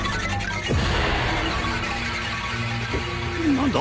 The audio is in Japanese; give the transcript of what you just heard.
何だ！？